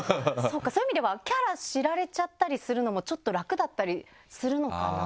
そういう意味ではキャラ知られちゃったりするのもちょっと楽だったりするのかな？